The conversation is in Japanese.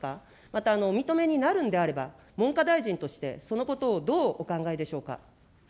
また、お認めになるんであれば、文科大臣として、そのことをどうお考えでしょうか。